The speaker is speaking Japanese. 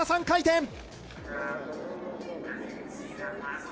３回転。